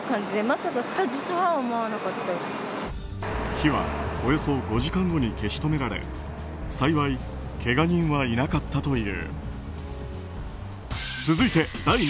火はおよそ５時間後に消し止められ幸い、けが人はいなかったという。